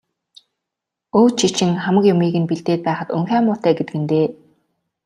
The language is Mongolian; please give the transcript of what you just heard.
Өө, чи чинь хамаг юмыг нь бэлдээд байхад унхиа муутай гэдэг нь дээ.